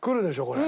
これ。